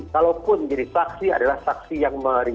kalaupun menjadi saksi adalah saksi yang tidak bisa dikendalikan